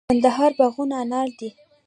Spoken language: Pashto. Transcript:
د کندهار باغونه انار دي